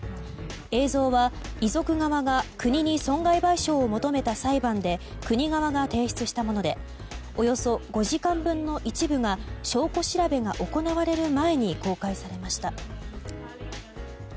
映像は遺族側が国に損害賠償を求めた裁判で国側が提出したものでおよそ５時間分の一部が証拠調べが行われる前に公開されました。